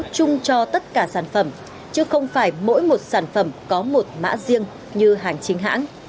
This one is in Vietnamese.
chung cho tất cả sản phẩm chứ không phải mỗi một sản phẩm có một mã riêng như hàng chính hãng